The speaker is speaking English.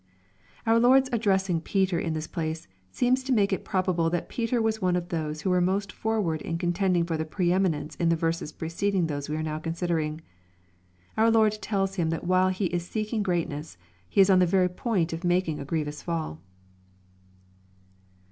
Our Lord's addressing Peter in this place, seems to make it probable that Peter was one of those who were most forward in contending for the pre eminence in the verses preceding those we are now considering. Our Lord tells him that while he is seeking greatness, he is on the very point of making a grievous fall.